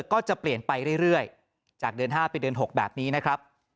ก็จะเปลี่ยนไปเรื่อยจากเดือน๕เป็นเดือน๖แบบนี้นะครับ